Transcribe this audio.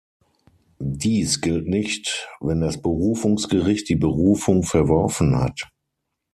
Dies gilt nicht, wenn das Berufungsgericht die Berufung verworfen hat.